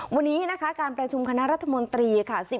วันนี้นะคะการประชุมคณะรัฐมนตรีค่ะ